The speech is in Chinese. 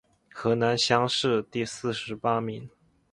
河南乡试第四十八名。